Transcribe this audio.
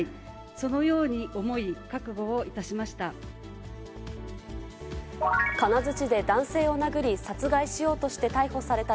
そのように思い、覚悟をいたしました。